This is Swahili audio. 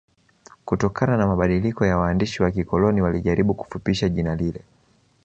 kutokana na mabadiliko ya waandishi wa kikoloni walijaribu kufupisha jina lile